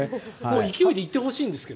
勢いで行ってほしいんですけど。